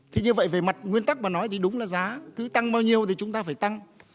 thì như vậy về mặt nguyên tắc mà nói thì đúng là giá cứ tăng bao nhiêu thì chúng ta phải tăng